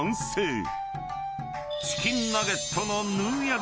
［チキンナゲットの］